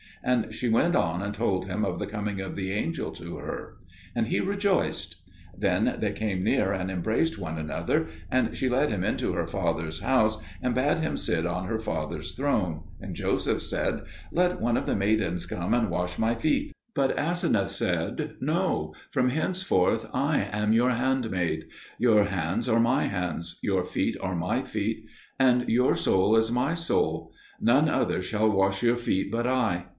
And she went on and told him of the coming of the angel to her. And he rejoiced. Then they came near and embraced one another, and she led him into her father's house and made him sit on her father's throne; and Joseph said, "Let one of the maidens come and wash my feet." But Aseneth said, "No; from henceforth I am your handmaid: your hands are my hands, your feet are my feet, and your soul is my soul: none other shall wash your feet but I."